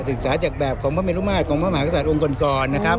แสดงสินค้าจากแบบของพะเมรุมาตรของพระมหากษัตริย์องค์ก่อนนะครับ